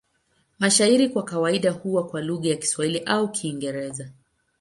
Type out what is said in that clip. Mashairi kwa kawaida huwa kwa lugha ya Kiswahili au Kiingereza.